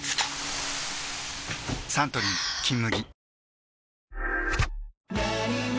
サントリー「金麦」